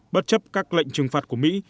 bất chấp các lệnh trừng phạt của mỹ